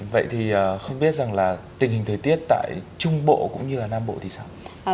vậy thì không biết rằng là tình hình thời tiết tại trung bộ cũng như là nam bộ thì sao